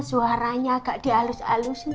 suaranya agak dialus alusin